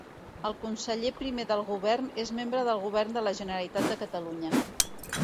El conseller primer del Govern és membre del Govern de la Generalitat de Catalunya.